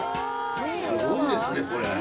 すごいですね、これ。